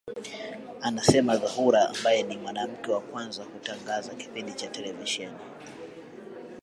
Anasema Zuhura ambaye ni mwanamke wa kwanza kutangaza kipindi cha televisheni